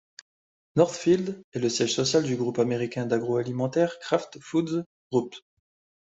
Northfield est le siège social du groupe américain d'agro-alimentaire Kraft Foods Group.